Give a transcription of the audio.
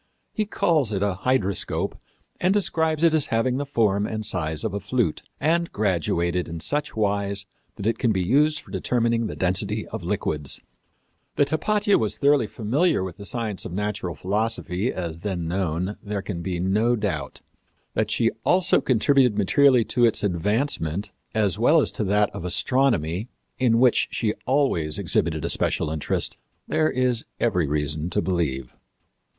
He calls it a hydroscope and describes it as having the form and size of a flute, and graduated in such wise that it can be used for determining the density of liquids. That Hypatia was thoroughly familiar with the science of natural philosophy, as then known, there can be no doubt. That she also contributed materially to its advancement, as well as to that of astronomy, in which she always exhibited a special interest, there is every reason to believe.